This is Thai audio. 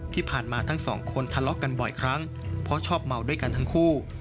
ที่ผ่านมาทั้งสองคนทะลกกันบ่อยครั้งก็ชอบเมาด้วยกันทั้งคู่